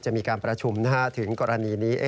จะมีการประชุมถึงกรณีนี้